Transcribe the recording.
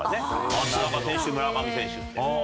松中選手村上選手って。